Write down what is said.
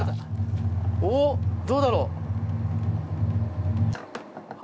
おっ、どうだろう。あ！